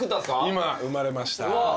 今生まれました。